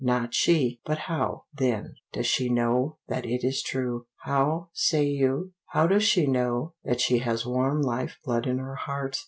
Not she! But how, then, does she know that it is true? How, say you? How does she know that she has warm life blood in her heart?